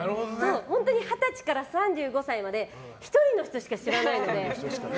本当に二十歳から３５歳まで１人の人しか知らないので。